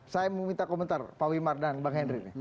saya mau minta komentar pak wimar dan bang henry